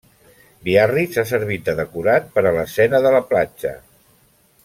Biarritz ha servit de decorat per a l'escena de la platja.